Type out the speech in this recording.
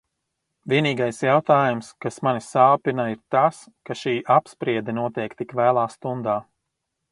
Vienīgais jautājums, kas mani sāpina, ir tas, ka šī apspriede notiek tik vēlā stundā.